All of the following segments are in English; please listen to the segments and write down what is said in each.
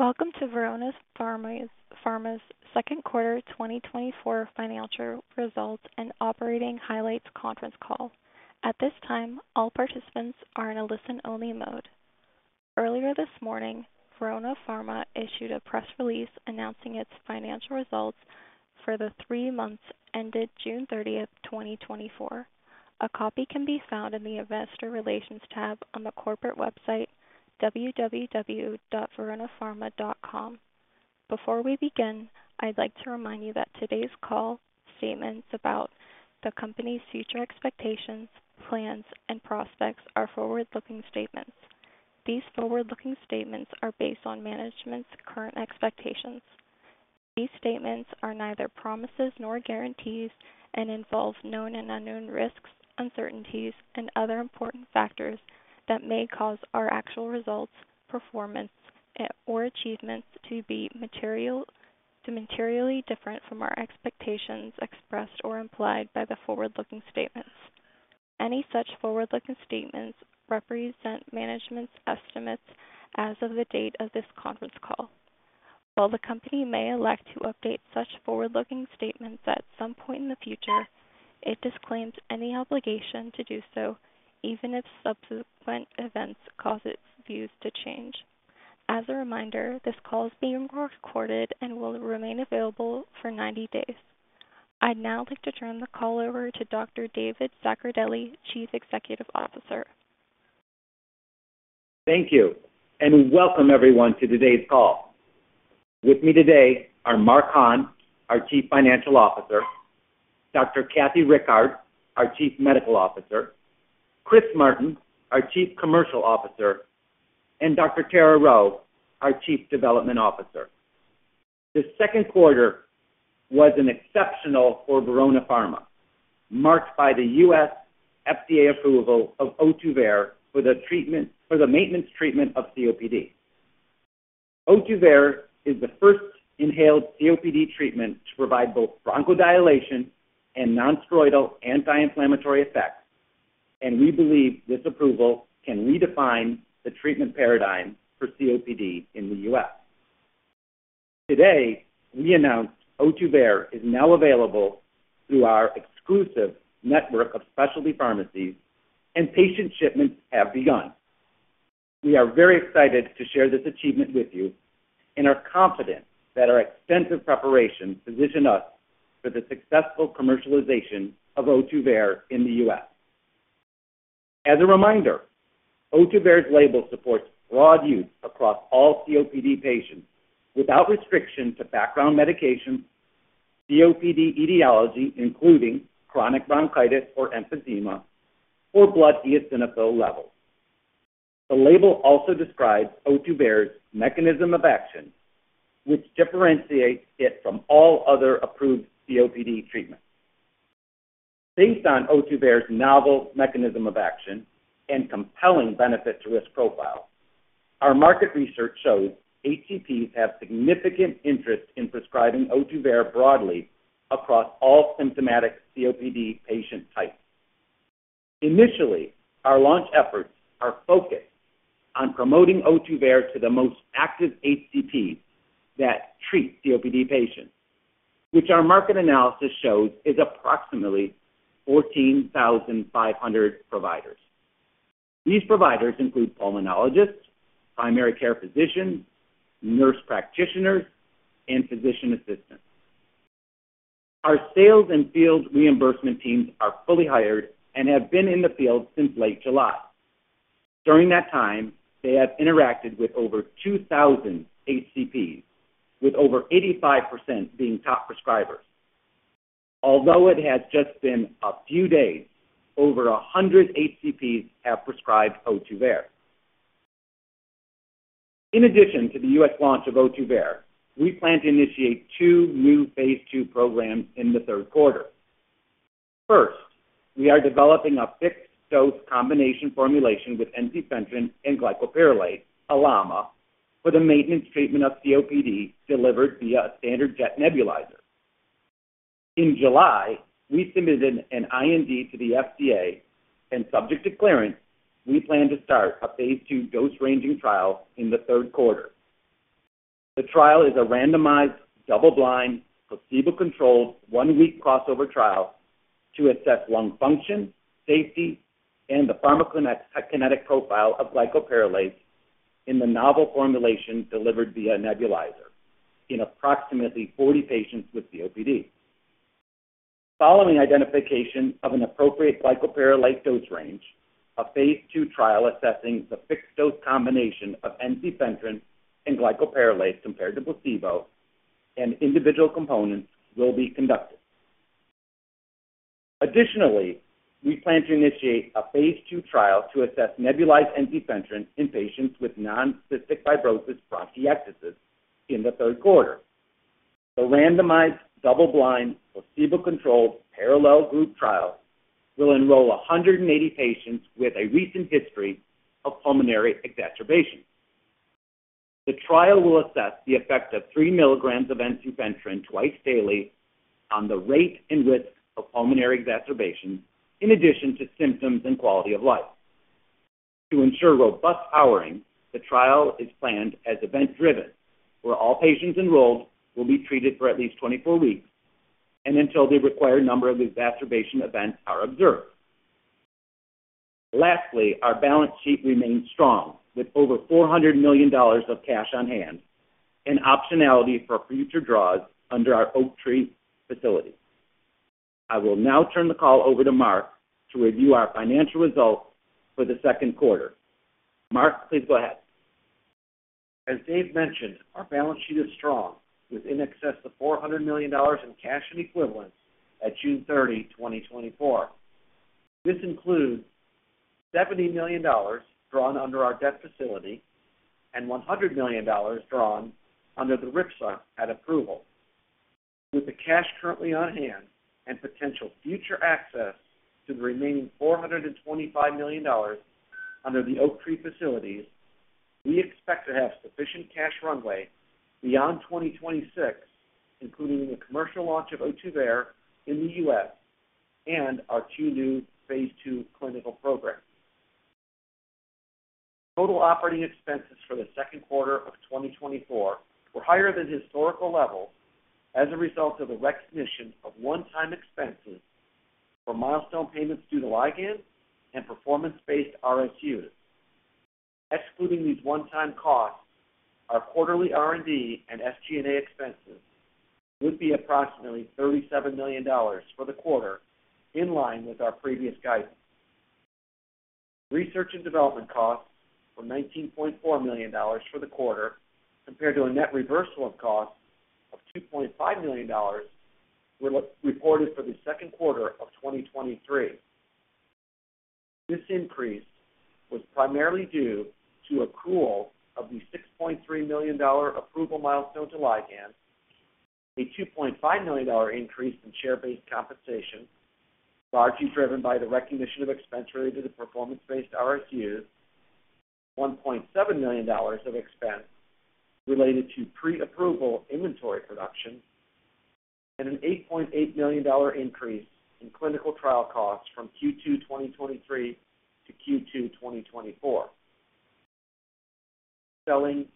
Welcome to Verona Pharma's Second Quarter 2024 Financial Results and Operating Highlights Conference Call. At this time, all participants are in a listen-only mode. Earlier this morning, Verona Pharma issued a press release announcing its financial results for the three months ended June 30th, 2024. A copy can be found in the Investor Relations tab on the corporate website, www.veronapharma.com. Before we begin, I'd like to remind you that today's call statements about the company's future expectations, plans, and prospects are forward-looking statements. These forward-looking statements are based on management's current expectations. These statements are neither promises nor guarantees and involve known and unknown risks, uncertainties, and other important factors that may cause our actual results, performance, or achievements to be materially different from our expectations expressed or implied by the forward-looking statements. Any such forward-looking statements represent management's estimates as of the date of this conference call. While the company may elect to update such forward-looking statements at some point in the future, it disclaims any obligation to do so, even if subsequent events cause its views to change. As a reminder, this call is being recorded and will remain available for 90 days. I'd now like to turn the call over to Dr. David Zaccardelli, Chief Executive Officer. Thank you, and welcome everyone to today's call. With me today are Mark Hahn, our Chief Financial Officer, Dr. Kathy Rickard, our Chief Medical Officer, Chris Martin, our Chief Commercial Officer, and Dr. Tara Rheault, our Chief Development Officer. This second quarter was exceptional for Verona Pharma, marked by the U.S. FDA approval of Ohtuvayree for the treatment... for the maintenance treatment of COPD. Ohtuvayree is the first inhaled COPD treatment to provide both bronchodilation and non-steroidal anti-inflammatory effects, and we believe this approval can redefine the treatment paradigm for COPD in the U.S. Today, we announced Ohtuvayree is now available through our exclusive network of specialty pharmacies and patient shipments have begun. We are very excited to share this achievement with you and are confident that our extensive preparations position us for the successful commercialization of Ohtuvayree in the U.S. As a reminder, Ohtuvayree's label supports broad use across all COPD patients without restriction to background medications, COPD etiology, including chronic bronchitis or emphysema, or blood eosinophil levels. The label also describes Ohtuvayree's mechanism of action, which differentiates it from all other approved COPD treatments. Based on Ohtuvayree's novel mechanism of action and compelling benefit to risk profile, our market research shows HCPs have significant interest in prescribing Ohtuvayree broadly across all symptomatic COPD patient types. Initially, our launch efforts are focused on promoting Ohtuvayree to the most active HCPs that treat COPD patients, which our market analysis shows is approximately 14,500 providers. These providers include pulmonologists, primary care physicians, nurse practitioners, and physician assistants. Our sales and field reimbursement teams are fully hired and have been in the field since late July. During that time, they have interacted with over 2,000 HCPs, with over 85% being top prescribers. Although it has just been a few days, over 100 HCPs have prescribed Ohtuvayree. In addition to the U.S. launch of Ohtuvayree, we plan to initiate two new phase II programs in the third quarter. First, we are developing a fixed-dose combination formulation with ensifentrine and glycopyrrolate, LAMA, for the maintenance treatment of COPD delivered via a standard jet nebulizer. In July, we submitted an IND to the FDA, and subject to clearance, we plan to start a phase II dose-ranging trial in the third quarter. The trial is a randomized, double-blind, placebo-controlled, one-week crossover trial to assess lung function, safety, and the pharmacokinetic profile of glycopyrrolate in the novel formulation delivered via nebulizer in approximately 40 patients with COPD. Following identification of an appropriate glycopyrrolate dose range, a phase II trial assessing the fixed-dose combination of ensifentrine and glycopyrrolate compared to placebo and individual components will be conducted. Additionally, we plan to initiate a phase II trial to assess nebulized ensifentrine in patients with non-cystic fibrosis bronchiectasis in the third quarter. The randomized, double-blind, placebo-controlled, parallel group trial will enroll 180 patients with a recent history of pulmonary exacerbation. The trial will assess the effect of 3 mg of ensifentrine twice daily on the rate and risk of pulmonary exacerbation, in addition to symptoms and quality of life. To ensure robust powering, the trial is planned as event-driven, where all patients enrolled will be treated for at least 24 weeks and until the required number of exacerbation events are observed. Lastly, our balance sheet remains strong, with over $400 million of cash on hand and optionality for future draws under our Oaktree facility. I will now turn the call over to Mark to review our financial results for the second quarter. Mark, please go ahead. As Dave mentioned, our balance sheet is strong, with in excess of $400 million in cash and equivalents at June 30, 2024. This includes $70 million drawn under our debt facility and $100 million drawn under the RIPSA at approval. With the cash currently on hand and potential future access to the remaining $425 million under the Oaktree facilities, we expect to have sufficient cash runway beyond 2026, including the commercial launch of Ohtuvayree in the U.S. and our two new phase II clinical programs. Total operating expenses for the second quarter of 2024 were higher than historical levels as a result of the recognition of one-time expenses for milestone payments due to Ligand and performance-based RSUs. Excluding these one-time costs, our quarterly R&D and SG&A expenses would be approximately $37 million for the quarter, in line with our previous guidance. Research and development costs were $19.4 million for the quarter, compared to a net reversal of costs of $2.5 million, re-reported for the second quarter of 2023. This increase was primarily due to accrual of the $6.3 million approval milestone to Ligand, a $2.5 million increase in share-based compensation, largely driven by the recognition of expense related to the performance-based RSUs, $1.7 million of expense related to pre-approval inventory production, and an $8.8 million increase in clinical trial costs from Q2 2023 to Q2 2024. Selling,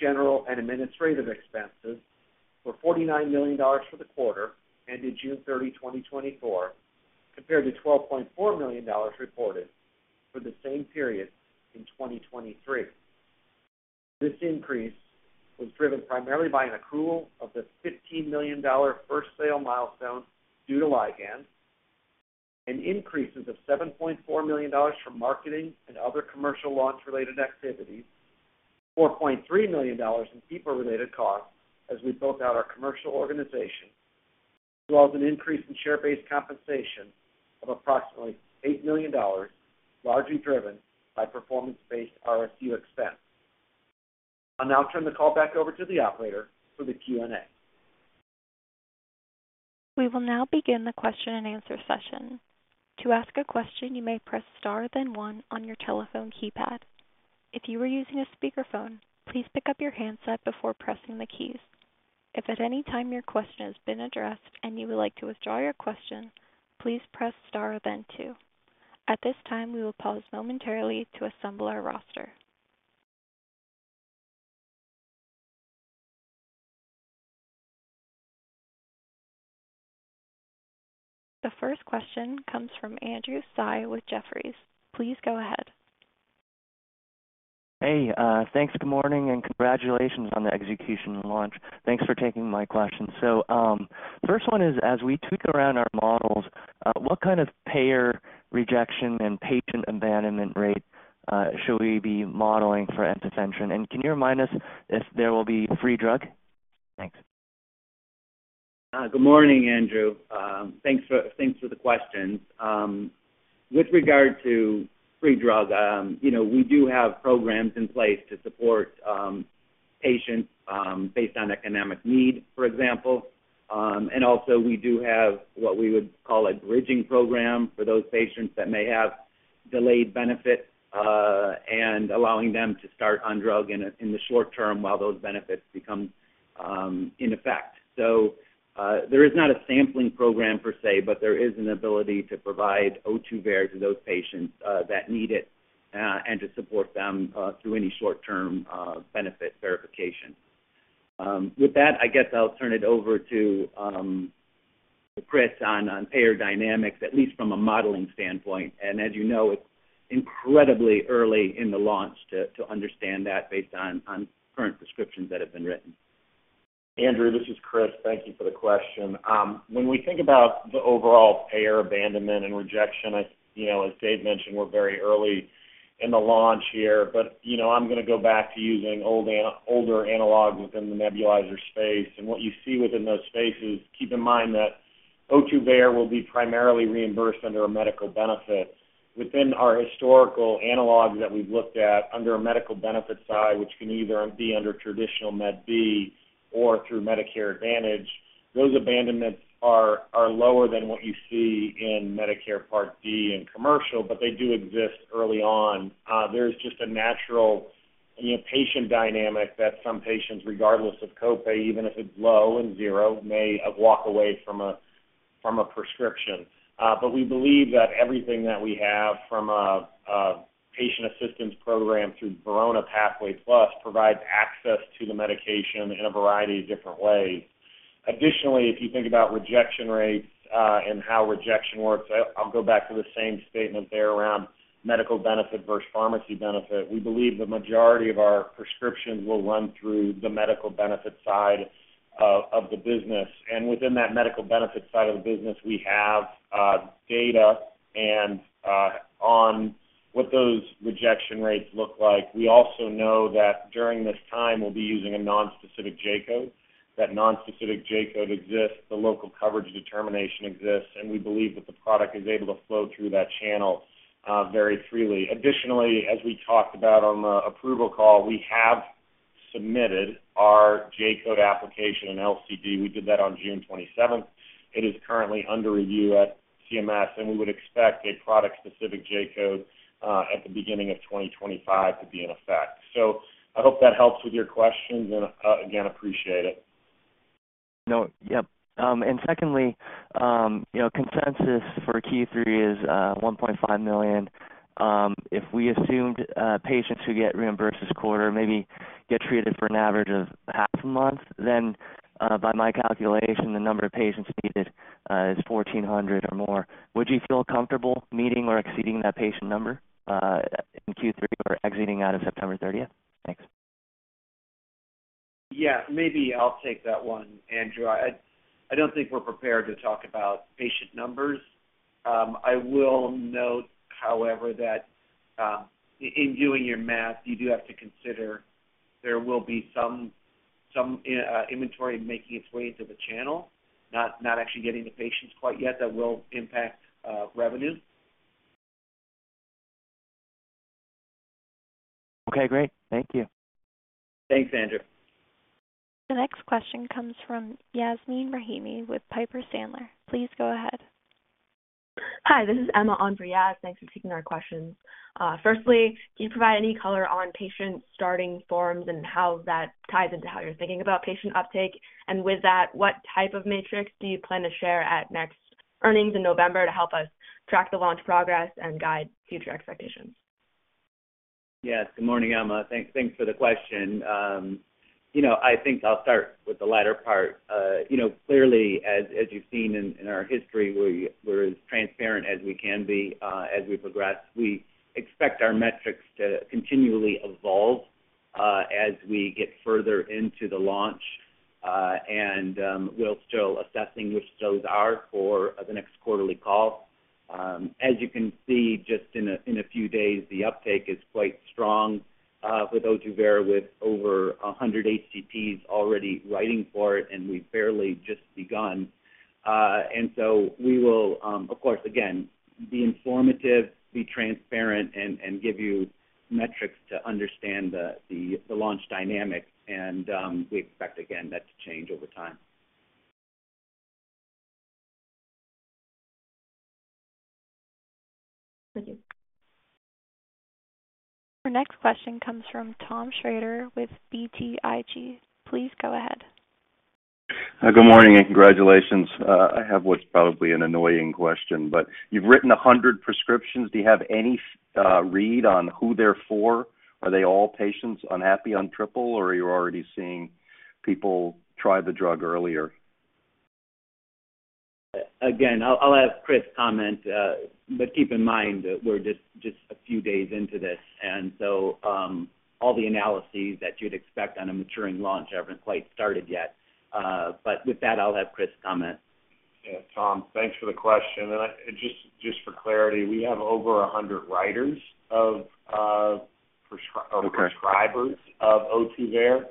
general and administrative expenses were $49 million for the quarter ended June 30, 2024, compared to $12.4 million reported for the same period in 2023. This increase was driven primarily by an accrual of the $15 million first sale milestone due to Ligand and increases of $7.4 million from marketing and other commercial launch-related activities, $4.3 million in people-related costs as we built out our commercial organization, as well as an increase in share-based compensation of approximately $8 million, largely driven by performance-based RSU expense. I'll now turn the call back over to the operator for the Q&A. We will now begin the question-and-answer session. To ask a question, you may press star, then one on your telephone keypad. If you are using a speakerphone, please pick up your handset before pressing the keys. If at any time your question has been addressed and you would like to withdraw your question, please press star, then two. At this time, we will pause momentarily to assemble our roster. The first question comes from Andrew Tsai with Jefferies. Please go ahead. Hey, thanks. Good morning, and congratulations on the execution and launch. Thanks for taking my question. So, first one is, as we tweak around our models, what kind of payer rejection and patient abandonment rate should we be modeling for ensifentrine? And can you remind us if there will be free drug? Thanks. Good morning, Andrew. Thanks for the questions. With regard to free drug, you know, we do have programs in place to support patients based on economic need, for example. And also we do have what we would call a bridging program for those patients that may have delayed benefit and allowing them to start on drug in the short term while those benefits become in effect. So, there is not a sampling program per se, but there is an ability to provide Ohtuvayree to those patients that need it and to support them through any short-term benefit verification. With that, I guess I'll turn it over to Chris on the economics, at least from a modeling standpoint. As you know, it's incredibly early in the launch to understand that based on current prescriptions that have been written. Andrew, this is Chris. Thank you for the question. When we think about the overall payer abandonment and rejection, I, you know, as Dave mentioned, we're very early in the launch here, but, you know, I'm gonna go back to using older analog within the nebulizer space. What you see within those spaces, keep in mind that Ohtuvayre will be primarily reimbursed under a medical benefit. Within our historical analog that we've looked at under a medical benefit side, which can either be under traditional Med B or through Medicare Advantage, those abandonments are lower than what you see in Medicare Part D and commercial, but they do exist early on. There's just a natural... you know, patient dynamic that some patients, regardless of copay, even if it's low and zero, may walk away from a, from a prescription. But we believe that everything that we have from a patient assistance program through Verona Pathway Plus provides access to the medication in a variety of different ways. Additionally, if you think about rejection rates and how rejection works, I, I'll go back to the same statement there around medical benefit versus pharmacy benefit. We believe the majority of our prescriptions will run through the medical benefit side of the business. And within that medical benefit side of the business, we have data and on what those rejection rates look like. We also know that during this time, we'll be using a nonspecific J-Code. That nonspecific J-Code exists, the local coverage determination exists, and we believe that the product is able to flow through that channel very freely. Additionally, as we talked about on the approval call, we have submitted our J-Code application in LCB. We did that on June 27th. It is currently under review at CMS, and we would expect a product-specific J-Code at the beginning of 2025 to be in effect. So I hope that helps with your question, and, again, appreciate it. No. Yep. And secondly, you know, consensus for Q3 is $1.5 million. If we assumed patients who get reimbursed this quarter maybe get treated for an average of half a month, then by my calculation, the number of patients needed is 1,400 or more. Would you feel comfortable meeting or exceeding that patient number in Q3 or exiting out of September 30th? Thanks. Yeah, maybe I'll take that one, Andrew. I don't think we're prepared to talk about patient numbers. I will note, however, that, in doing your math, you do have to consider there will be some inventory making its way into the channel, not actually getting to patients quite yet. That will impact revenue. Okay, great. Thank you. Thanks, Andrew. The next question comes from Yasmeen Rahimi with Piper Sandler. Please go ahead. Hi, this is Emma on for Yasmeen. Thanks for taking our questions. Firstly, can you provide any color on patient starting forms and how that ties into how you're thinking about patient uptake? With that, what type of matrix do you plan to share at next earnings in November to help us track the launch progress and guide future expectations? Yes, good morning, Emma. Thanks, thanks for the question. You know, I think I'll start with the latter part. You know, clearly, as you've seen in our history, we're as transparent as we can be, as we progress. We expect our metrics to continually evolve, as we get further into the launch. And, we're still assessing which those are for the next quarterly call. As you can see, just in a few days, the uptake is quite strong, with Ohtuvayree, with over 100 HCPs already writing for it, and we've barely just begun. And so we will, of course, again, be informative, be transparent, and give you metrics to understand the launch dynamics, and we expect, again, that to change over time. Thank you. Our next question comes from Thomas Shrader with BTIG. Please go ahead. Hi, good morning, and congratulations. I have what's probably an annoying question, but you've written 100 prescriptions. Do you have any read on who they're for? Are they all patients unhappy on triple, or are you already seeing people try the drug earlier? Again, I'll have Chris comment, but keep in mind that we're just a few days into this, and so all the analyses that you'd expect on a maturing launch haven't quite started yet. But with that, I'll have Chris comment. Yeah, Tom, thanks for the question. And just, just for clarity, we have over 100 writers of prescript- Okay... or prescribers of Ohtuvayree.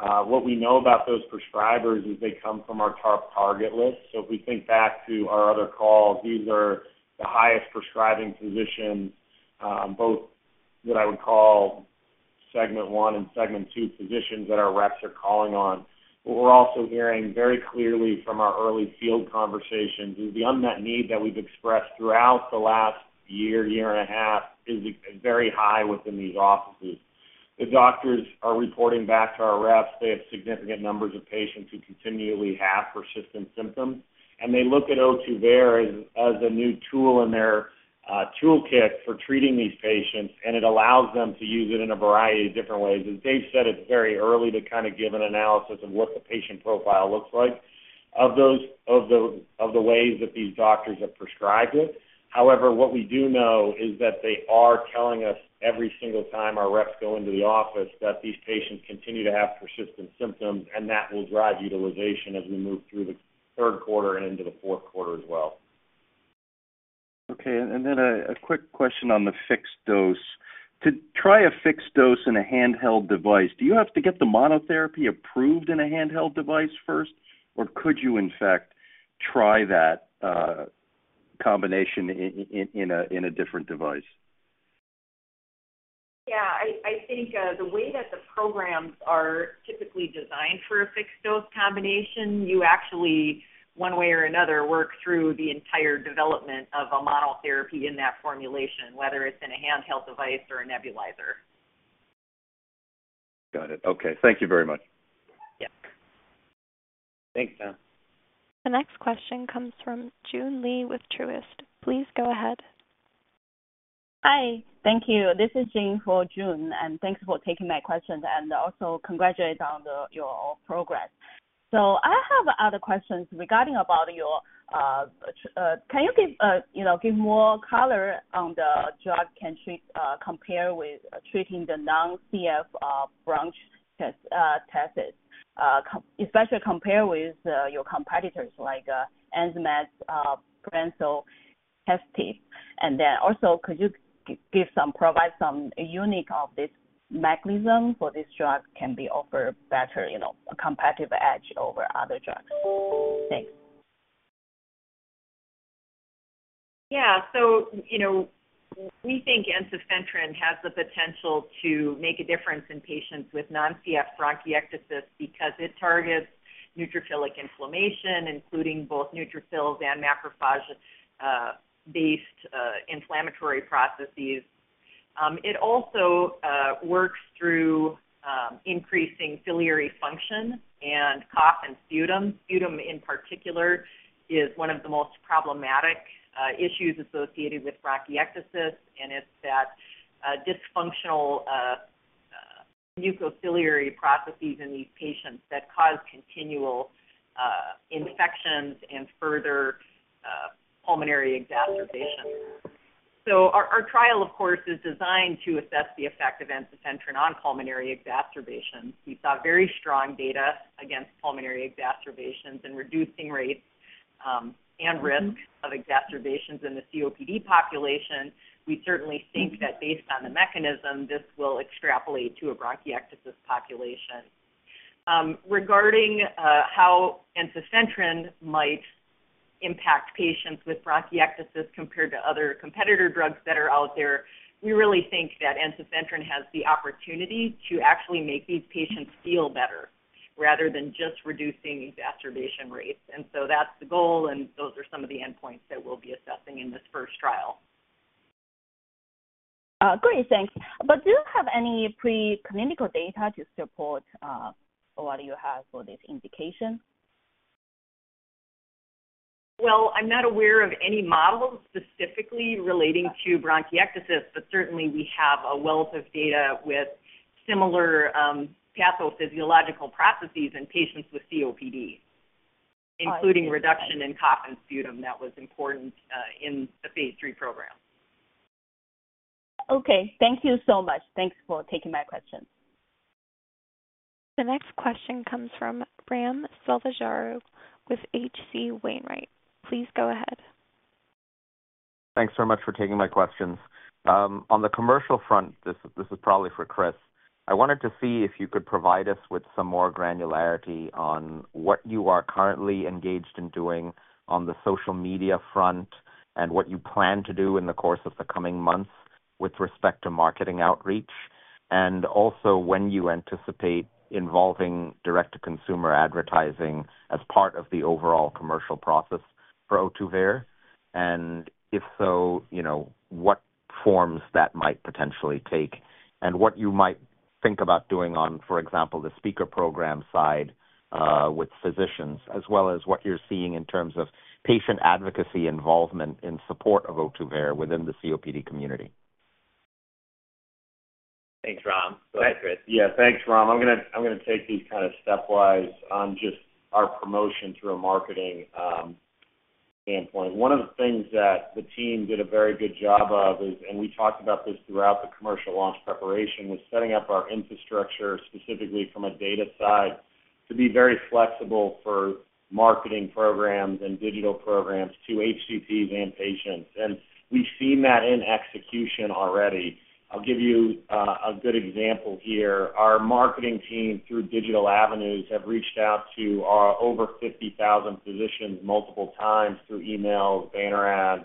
What we know about those prescribers is they come from our top target list. So if we think back to our other calls, these are the highest prescribing physicians, both what I would call segment one and segment two physicians that our reps are calling on. But we're also hearing very clearly from our early field conversations, is the unmet need that we've expressed throughout the last year, year and a half, is very high within these offices. The doctors are reporting back to our reps. They have significant numbers of patients who continually have persistent symptoms, and they look at Ohtuvayree as, as a new tool in their, toolkit for treating these patients, and it allows them to use it in a variety of different ways. As Dave said, it's very early to kind of give an analysis of what the patient profile looks like of those of the ways that these doctors have prescribed it. However, what we do know is that they are telling us every single time our reps go into the office, that these patients continue to have persistent symptoms, and that will drive utilization as we move through the third quarter and into the fourth quarter as well. Okay, and then a quick question on the fixed dose. To try a fixed dose in a handheld device, do you have to get the monotherapy approved in a handheld device first, or could you, in fact, try that, combination in a different device? Yeah, I think, the way that-... programs are typically designed for a fixed-dose combination. You actually, one way or another, work through the entire development of a monotherapy in that formulation, whether it's in a handheld device or a nebulizer. Got it. Okay. Thank you very much. Yep. Thanks, Tom. The next question comes from Joon Lee with Truist. Please go ahead. Hi. Thank you. This is Jing for Joon, and thanks for taking my questions, and also congratulate you on your progress. So I have other questions regarding about your, can you give, you know, give more color on the drug can treat, compare with treating the non-CF bronchiectasis, especially compare with your competitors, like, Insmed's potential Brensocatib? And then also, could you give some, provide some unique of this mechanism for this drug can be offer better, you know, competitive edge over other drugs? Thanks. Yeah. So, you know, we think ensifentrine has the potential to make a difference in patients with non-CF bronchiectasis because it targets neutrophilic inflammation, including both neutrophils and macrophage-based inflammatory processes. It also works through increasing ciliary function and cough and sputum. Sputum, in particular, is one of the most problematic issues associated with bronchiectasis, and it's that dysfunctional mucociliary processes in these patients that cause continual infections and further pulmonary exacerbations. So our trial, of course, is designed to assess the effect of ensifentrine on pulmonary exacerbations. We saw very strong data against pulmonary exacerbations and reducing rates and risk of exacerbations in the COPD population. We certainly think that based on the mechanism, this will extrapolate to a bronchiectasis population. Regarding how ensifentrine might impact patients with bronchiectasis compared to other competitor drugs that are out there, we really think that ensifentrine has the opportunity to actually make these patients feel better, rather than just reducing exacerbation rates. And so that's the goal, and those are some of the endpoints that we'll be assessing in this first trial. Great, thanks. But do you have any preclinical data to support what you have for this indication? Well, I'm not aware of any models specifically relating to bronchiectasis, but certainly we have a wealth of data with similar pathophysiological processes in patients with COPD, including reduction in cough and sputum. That was important in the phase III program. Okay. Thank you so much. Thanks for taking my question. The next question comes from Ram Selvaraju with H.C. Wainwright. Please go ahead. Thanks so much for taking my questions. On the commercial front, this is probably for Chris. I wanted to see if you could provide us with some more granularity on what you are currently engaged in doing on the social media front, and what you plan to do in the course of the coming months with respect to marketing outreach. Also, when you anticipate involving direct-to-consumer advertising as part of the overall commercial process for Ohtuvayree? If so, you know, what forms that might potentially take? What you might think about doing on, for example, the speaker program side with physicians, as well as what you're seeing in terms of patient advocacy involvement in support of Ohtuvayree within the COPD community? Thanks, Ram. Go ahead, Chris. Yeah, thanks, Ram. I'm gonna, I'm gonna take these kind of step-wise on just our promotion through a marketing standpoint. One of the things that the team did a very good job of is, and we talked about this throughout the commercial launch preparation, was setting up our infrastructure, specifically from a data side, to be very flexible for marketing programs and digital programs to HCPs and patients. And we've seen that in execution already. I'll give you a good example here. Our marketing team, through digital avenues, have reached out to our over 50,000 physicians multiple times through emails, banner ads,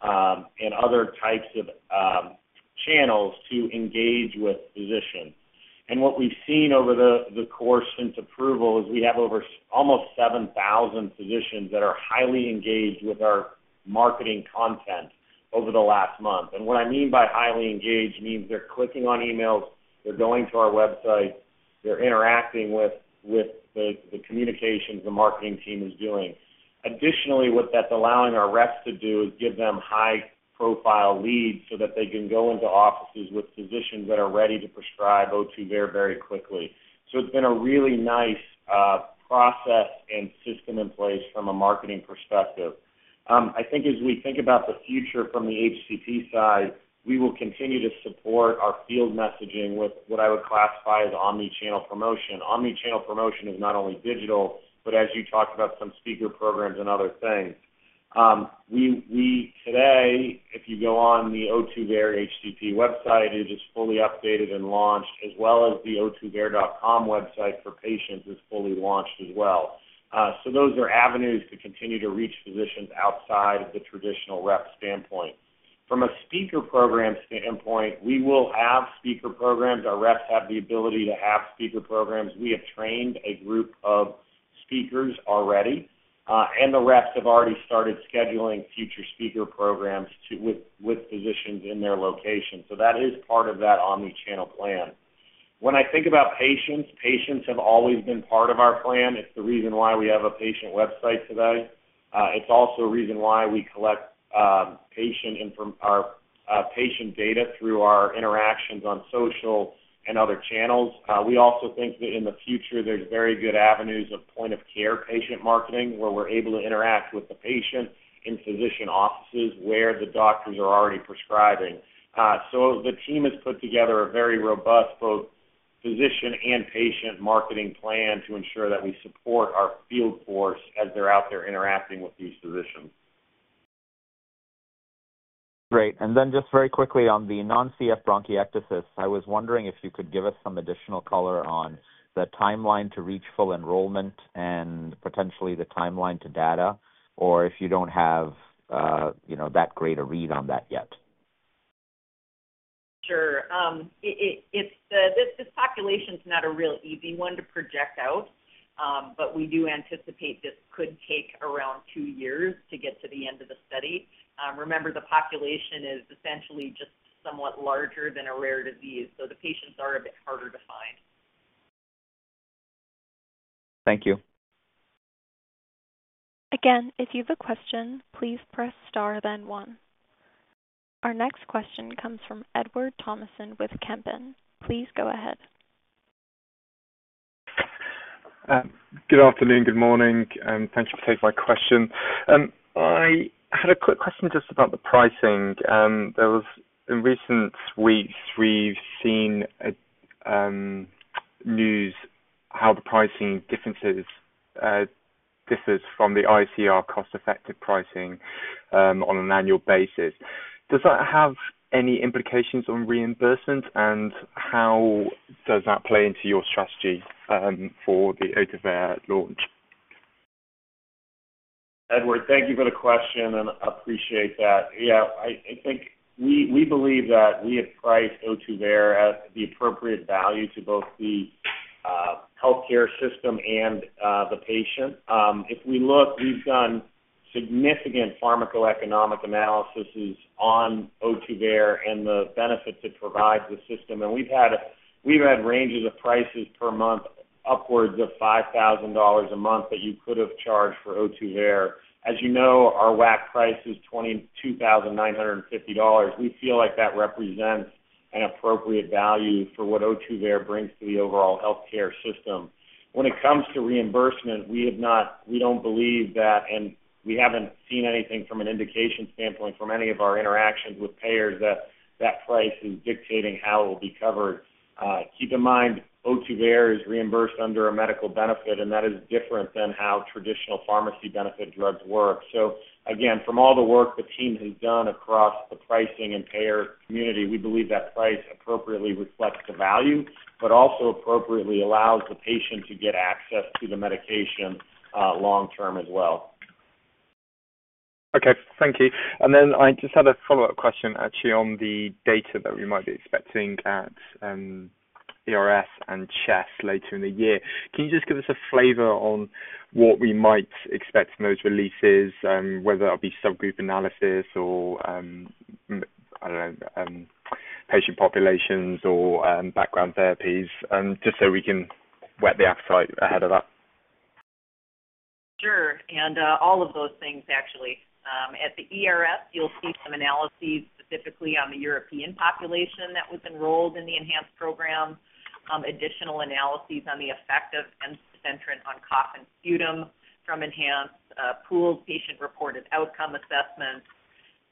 and other types of channels to engage with physicians. And what we've seen over the course since approval is we have over almost 7,000 physicians that are highly engaged with our marketing content over the last month. What I mean by highly engaged means they're clicking on emails, they're going to our website, they're interacting with the communications the marketing team is doing. Additionally, what that's allowing our reps to do is give them high-profile leads so that they can go into offices with physicians that are ready to prescribe Ohtuvayree very quickly. So it's been a really nice process and system in place from a marketing perspective. I think as we think about the future from the HCP side, we will continue to support our field messaging with what I would classify as omni-channel promotion. Omni-channel promotion is not only digital, but as you talked about some speaker programs and other things. Today, if you go on the Ohtuvayree HCP website, it is fully updated and launched, as well as the ohtuvayre.com website for patients is fully launched as well. So those are avenues to continue to reach physicians outside of the traditional rep standpoint. From a speaker program standpoint, we will have speaker programs. Our reps have the ability to have speaker programs. We have trained a group of speakers already, and the reps have already started scheduling future speaker programs to with physicians in their location. So that is part of that omni-channel plan. When I think about patients, patients have always been part of our plan. It's the reason why we have a patient website today. It's also a reason why we collect patient data through our interactions on social and other channels. We also think that in the future, there's very good avenues of point-of-care patient marketing, where we're able to interact with the patient in physician offices where the doctors are already prescribing. The team has put together a very robust, both physician and patient marketing plan to ensure that we support our field force as they're out there interacting with these physicians. Great. And then just very quickly on the non-CF bronchiectasis, I was wondering if you could give us some additional color on the timeline to reach full enrollment and potentially the timeline to data, or if you don't have, you know, that great a read on that yet? Sure. It's the... This population's not a real easy one to project out, but we do anticipate this could take around 2 years to get to the end of the study. Remember, the population is essentially just somewhat larger than a rare disease, so the patients are a bit harder to find. Thank you. Again, if you have a question, please press star, then one. Our next question comes from Edward Thomason with Kempen. Please go ahead. Good afternoon, good morning, and thank you for taking my question. I had a quick question just about the pricing. There was in recent weeks, we've seen a news how the pricing differences differs from the ICER cost-effective pricing, on an annual basis. Does that have any implications on reimbursement, and how does that play into your strategy, for the Ohtuvayree launch? Edward, thank you for the question, and appreciate that. Yeah, I think we believe that we have priced Ohtuvayree at the appropriate value to both the healthcare system and the patient. If we look, we've done significant pharmacoeconomic analyses on Ohtuvayree and the benefit it provides the system. We've had ranges of prices per month, upwards of $5,000 a month, that you could have charged for Ohtuvayree. As you know, our WAC price is $22,950. We feel like that represents an appropriate value for what Ohtuvayree brings to the overall healthcare system. When it comes to reimbursement, we have not, we don't believe that, and we haven't seen anything from an indication standpoint from any of our interactions with payers, that that price is dictating how it will be covered. Keep in mind, Ohtuvayree is reimbursed under a medical benefit, and that is different than how traditional pharmacy benefit drugs work. So again, from all the work the team has done across the pricing and payer community, we believe that price appropriately reflects the value, but also appropriately allows the patient to get access to the medication, long term as well. Okay, thank you. And then I just had a follow-up question, actually, on the data that we might be expecting at ERS and CHEST later in the year. Can you just give us a flavor on what we might expect from those releases, whether that be subgroup analysis or, I don't know, patient populations or, background therapies, just so we can whet the appetite ahead of that? Sure. And, all of those things, actually. At the ERS, you'll see some analyses, specifically on the European population that was enrolled in the ENHANCE program. Additional analyses on the effect of ensifentrine on cough and sputum from ENHANCE, pooled patient-reported outcome assessments,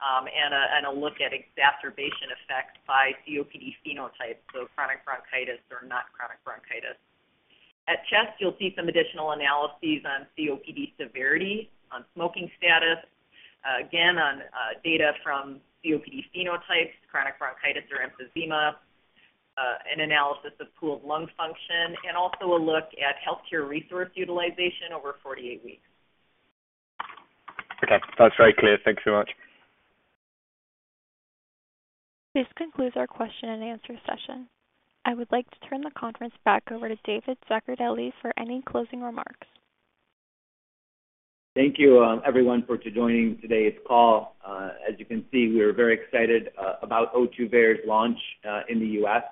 and a look at exacerbation effects by COPD phenotypes, so chronic bronchitis or not chronic bronchitis. At CHEST, you'll see some additional analyses on COPD severity, on smoking status, again, on data from COPD phenotypes, chronic bronchitis or emphysema, an analysis of pooled lung function, and also a look at healthcare resource utilization over 48 weeks. Okay. That's very clear. Thank you so much. This concludes our question-and-answer session. I would like to turn the conference back over to David Zaccardelli for any closing remarks. Thank you, everyone, for joining today's call. As you can see, we are very excited about Ohtuvayree's launch in the U.S.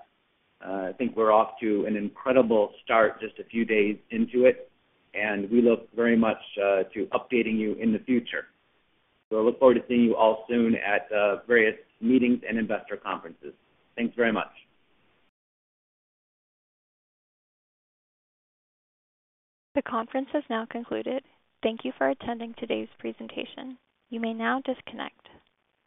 I think we're off to an incredible start just a few days into it, and we look very much to updating you in the future. So I look forward to seeing you all soon at various meetings and investor conferences. Thanks very much. The conference has now concluded. Thank you for attending today's presentation. You may now disconnect.